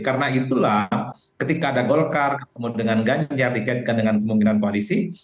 karena itulah ketika ada golkar kemudian ganjar dikaitkan dengan kemungkinan polisi